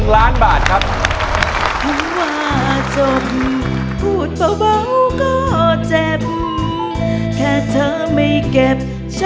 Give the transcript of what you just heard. ๑ล้านบาทครับ